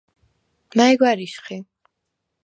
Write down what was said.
მა̈ჲ გვა̈რიშ ხი?